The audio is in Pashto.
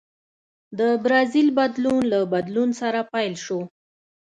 د برازیل بدلون له بدلون سره پیل شو.